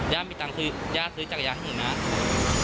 มีตังค์ซื้อย่าซื้อจักรยานให้หนูนะ